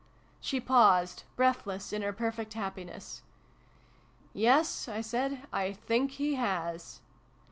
She paused, breathless in her perfect happiness. " Yes," I said. " I think He has